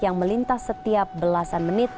yang melintas setiap belasan menit